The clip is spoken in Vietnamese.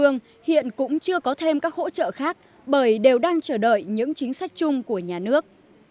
nhưng các hỗ trợ khác bởi đều đang chờ đợi những chính sách chung của nhà nước